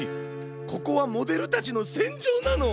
ここはモデルたちのせんじょうなの！